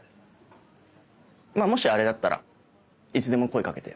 もしあれだったらいつでも声かけてよ。